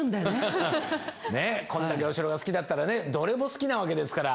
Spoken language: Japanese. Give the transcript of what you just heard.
ねえこれだけお城が好きだったらねどれも好きなわけですから。